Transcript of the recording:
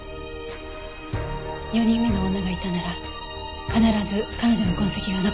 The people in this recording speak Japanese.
４人目の女がいたなら必ず彼女の痕跡が残ってるはずよ。